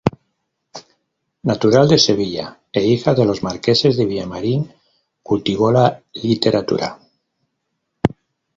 Natural de Sevilla e hija de los marqueses de Villamarín, cultivó la literatura.